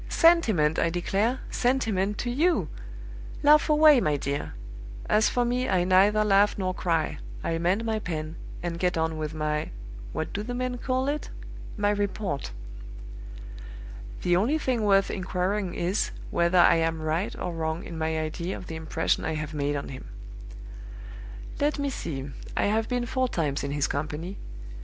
Sentiment, I declare! Sentiment to you! Laugh away, my dear. As for me, I neither laugh nor cry; I mend my pen, and get on with my what do the men call it? my report. "The only thing worth inquiring is, whether I am right or wrong in my idea of the impression I have made on him. "Let me see; I have been four times in his company.